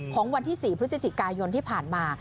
วันที่๔พฤศจิกายนที่ผ่านมา